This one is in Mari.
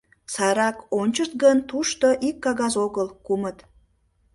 Сайрак ончышт гын, тушто ик кагазат огыл — кумыт.